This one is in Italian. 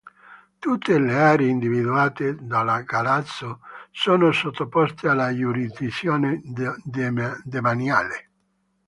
Tutte le aree individuate dalla Galasso sono sottoposte alla giurisdizione demaniale.